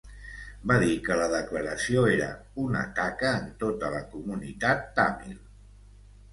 Va dir que la declaració era "una taca en tota la comunitat tàmil".